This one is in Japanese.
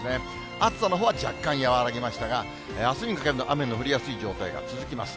暑さのほうは若干和らぎましたが、あすにかけても雨の降りやすい状況は続きます。